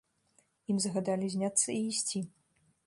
Ім загадалі зняцца і ісці.